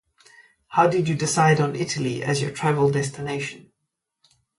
How did you decide on Italy as your travel destination?